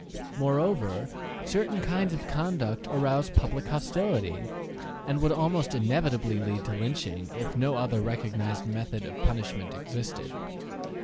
Moreover, certain kinds of conduct arouse public hostility, and would almost inevitably lead to lynching, if no other recognized method of punishment existed.